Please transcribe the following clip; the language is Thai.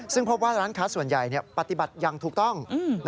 ซึ่งพบว่าร้านค้าส่วนใหญ่ปฏิบัติอย่างถูกต้อง